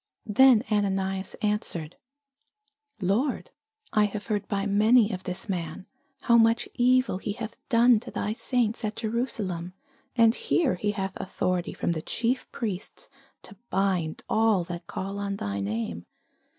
Then Ananias answered, Lord, I have heard by many of this man, how much evil he hath done to thy saints at Jerusalem: and here he hath authority from the chief priests to bind all that call on thy name.